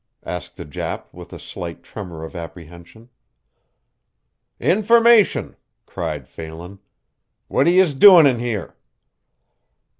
asked the Jap with a slight tremor of apprehension. "Information!" cried Phelan. "What are yez doin' in here?"